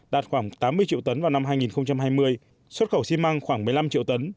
đạt khoảng tám mươi triệu tấn vào năm hai nghìn hai mươi xuất khẩu xi măng khoảng một mươi năm triệu tấn